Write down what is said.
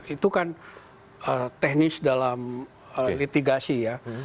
itu kan teknis dalam litigasi ya